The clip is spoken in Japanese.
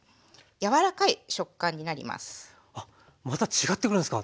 あっまた違ってくるんですか。